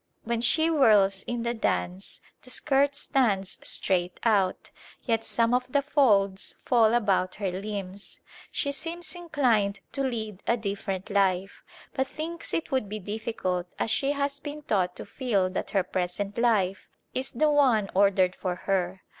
When she whirls in the dance the skirt stands straight out, yet some of the folds fall about her limbs. She seems inclined to lead a different life, but thinks it would be difficult as she has been taught to feel that her present life is the one ordered for her.